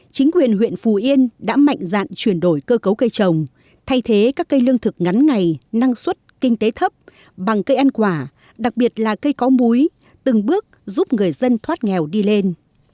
chính quyền huyện phù yên đã mạnh dạn chuyển đổi cơ cấu cây trồng thay thế các cây lương thực ngắn ngày năng suất kinh tế thấp bằng cây ăn quả đặc biệt là cây có múi từng bước giúp người dân thoát nghèo đi lên